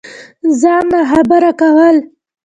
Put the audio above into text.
ځان ناخبره كول